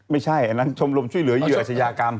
ไม่ใช่อันนั้นชมรมช่วยเหลือเหยื่ออาชญากรรม